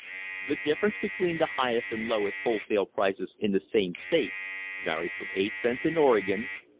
The difference between the highest and the lowest whole sale prices in the same states varies from 8 cents in Oregon (12.